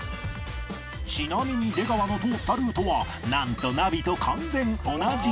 ちなみに出川の通ったルートはなんとナビと完全同じに